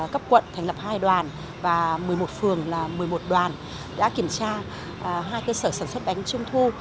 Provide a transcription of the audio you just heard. cấp quận thành lập hai đoàn và một mươi một phường là một mươi một đoàn đã kiểm tra hai cơ sở sản xuất bánh trung thu